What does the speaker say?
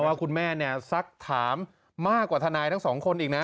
ว่าคุณแม่เนี่ยสักถามมากกว่าทนายทั้งสองคนอีกนะ